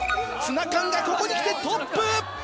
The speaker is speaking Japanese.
ツナ缶がここに来てトップ！